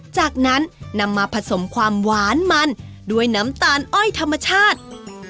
จากนั้นนำมาผสมความหวานมันด้วยน้ำตาลอ้อยธรรมชาติ